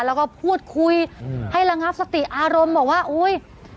แล้วก็พูดคุยให้ระงับสติอารมณ์บอกว่าอุ้ย